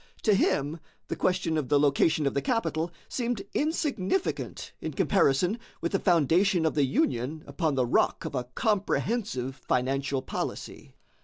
To him the question of the location of the capital seemed insignificant in comparison with the foundation of the Union upon the rock of a comprehensive financial policy.